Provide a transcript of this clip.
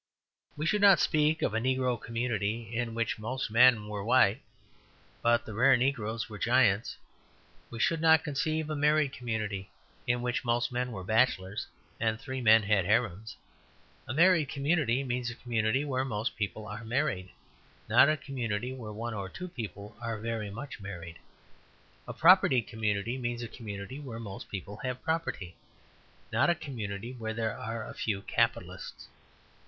We should not speak of a negro community in which most men were white, but the rare negroes were giants. We should not conceive a married community in which most men were bachelors, and three men had harems. A married community means a community where most people are married; not a community where one or two people are very much married. A propertied community means a community where most people have property; not a community where there are a few capitalists.